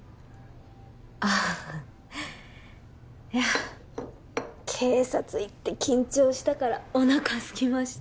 ああいや警察行って緊張したからおなかすきました